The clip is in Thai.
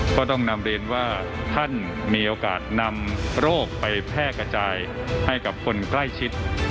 ก็ต้องนำเรียนว่าท่านมีโอกาสนำโรคไปแพร่กระจายให้กับคนใกล้ชิด